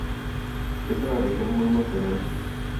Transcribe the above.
Es una región muy montañosa.